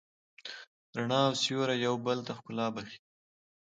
رڼا او سیوری یو بل ته ښکلا بښي.